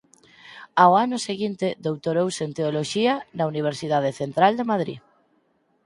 Ao ano seguinte doutorouse en Teoloxía na Universidade Central de Madrid.